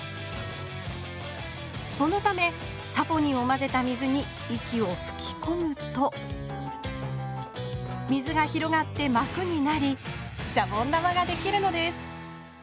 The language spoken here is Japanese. そのためサポニンをまぜた水に息をふきこむと水が広がってまくになりシャボン玉ができるのです